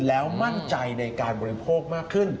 แล้วมั่นใจในการบริโภคมากขึ้น